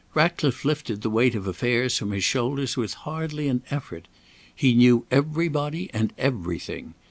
Ratcliffe lifted the weight of affairs from his shoulders with hardly an effort. He knew everybody and everything.